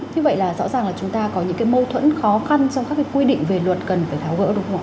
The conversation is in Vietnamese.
thế vậy là rõ ràng là chúng ta có những mâu thuẫn khó khăn trong các quy định về luật cần phải tháo gỡ đúng không